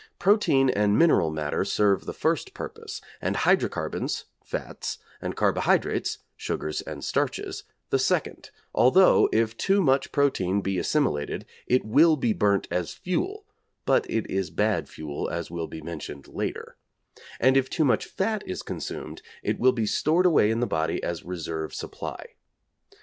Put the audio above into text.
Protein and mineral matter serve the first purpose, and hydrocarbons (fats) and carbohydrates (sugars and starches) the second, although, if too much protein be assimilated it will be burnt as fuel, (but it is bad fuel as will be mentioned later), and if too much fat is consumed it will be stored away in the body as reserve supply.